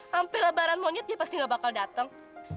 sampai lebaran monyet dia pasti gak bakal datang